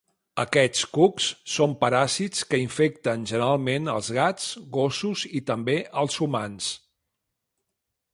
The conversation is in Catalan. Aquests cucs són paràsits que infecten generalment als gats, gossos i també als humans.